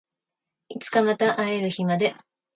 いつかまた会える日まで